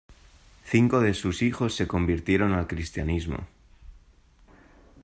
Cinco de sus hijos se convirtieron al cristianismo.